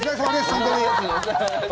本当に。